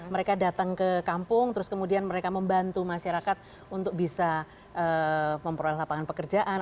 mereka datang ke kampung terus kemudian mereka membantu masyarakat untuk bisa memperoleh lapangan pekerjaan